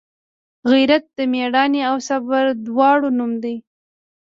غیرت د میړانې او صبر دواړو نوم دی